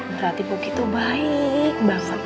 bu rati begitu baik